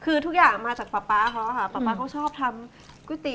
คือทุกอย่างมาจากป๊าป๊าเขาค่ะป๊าป๊าเขาชอบทำก๋วยเตี๋